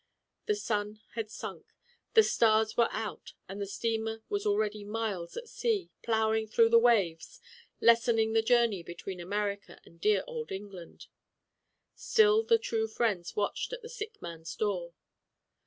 The sun had sunk, the stars were out, and the steamer was already miles at sea, plowing through the waves, lessening the journey between Amer ica and dear old England. Still the true friends watched at the sick man's door.